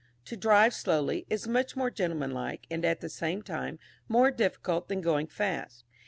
To drive slowly, is much more gentlemanlike, and, at the same time, more difficult than going fast.